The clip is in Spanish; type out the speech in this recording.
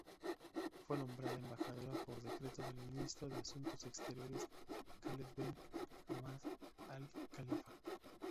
Fue nombrada embajadora por decreto del ministro de asuntos exteriores Khaled Ben Ahmad Al-Khalifa.